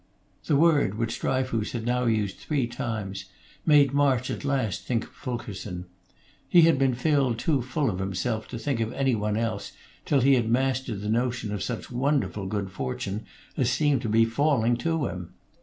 The word, which Dryfoos had now used three times, made March at last think of Fulkerson; he had been filled too full of himself to think of any one else till he had mastered the notion of such wonderful good fortune as seemed about falling to him.